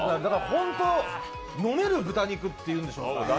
本当飲める豚肉っていうんでしょうか。